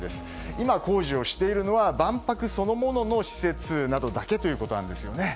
今、工事をしているのは万博そのものの施設などだけということですね。